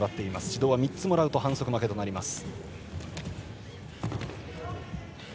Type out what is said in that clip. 指導は３つもらうと反則負けです。